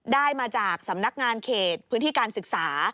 ได้มาจากสำนักงานเขตพื้นที่การศึกษา